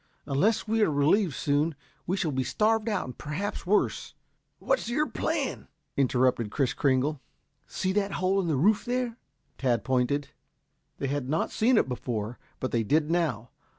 Unless we are relieved soon, we shall be starved out and perhaps worse." "What's your plan?" interrupted Kris Kringle. "See that hole in the roof up there?" Tad pointed. They had not seen it before, but they did now.